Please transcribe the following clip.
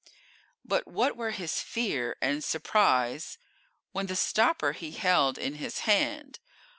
_] But what were his fear and surprise When the stopper he held in his hand!